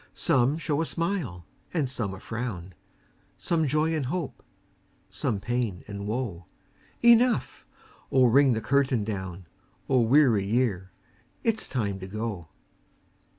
Some show a smile and some a frown; Some joy and hope, some pain and woe: Enough! Oh, ring the curtain down! Old weary year! it's time to go.